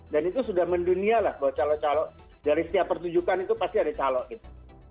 dan itu sudah mendunia lah bahwa calo calo dari setiap pertunjukan itu pasti ada calo gitu